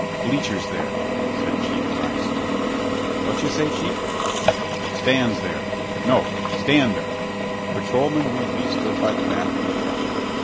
"Bleachers there," said Chief Grindstaff. "What you say, chief?" "Stands there. No, stand there." Patrolman Whedbee stood by the back of the truck.